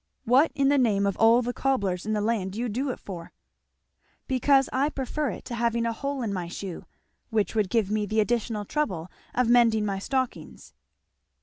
"What in the name of all the cobblers in the land do you do it for?" "Because I prefer it to having a hole in my shoe; which would give me the additional trouble of mending my stockings."